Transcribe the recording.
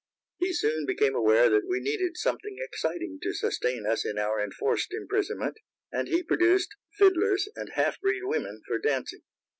He soon became aware that we needed something exciting to sustain us in our enforced imprisonment, and he produced fiddlers and half breed women for dancing.